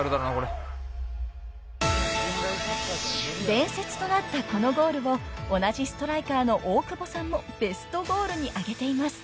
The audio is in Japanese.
［伝説となったこのゴールを同じストライカーの大久保さんもベストゴールに挙げています］